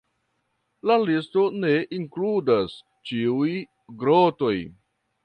La listo ne inkludas ĉiuj grotoj.